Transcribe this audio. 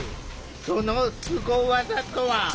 そのスゴ技とは？